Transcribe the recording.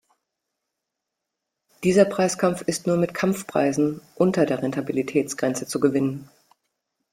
Dieser Preiskampf ist nur mit Kampfpreisen unter der Rentabilitätsgrenze zu gewinnen.